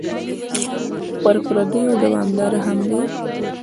پر پردیو دوامدارې حملې.